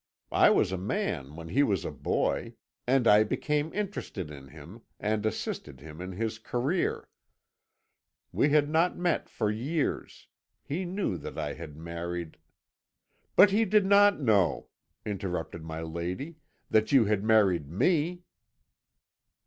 I was a man when he was a boy, and I became interested in him, and assisted him in his career. We had not met for years: he knew that I had married ' "'But he did not know,' interrupted my lady, 'that you had married _me!